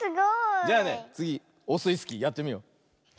じゃあねつぎオスイスキーやってみよう。